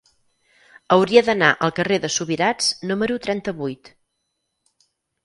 Hauria d'anar al carrer de Subirats número trenta-vuit.